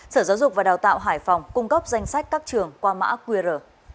sở giáo dục và đào tạo hải phòng cung cấp danh sách các trường qua mã qr